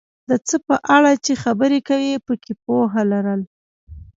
د څه په اړه چې خبرې کوې پکې پوهه لرل،